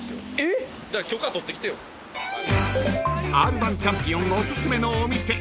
［Ｒ−１チャンピオンおすすめのお店］